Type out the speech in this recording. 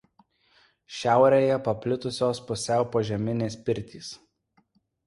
Šiaurėje paplitusios pusiau požeminės pirtys.